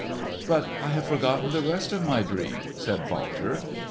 "But I have forgotten the rest of my dream," said Walter.